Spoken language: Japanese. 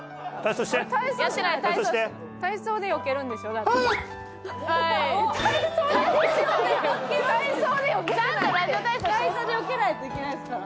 体操でよけないといけないんですから。